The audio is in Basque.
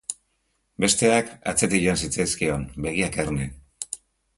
Besteak atzetik joan zitzaizkion, begiak erne.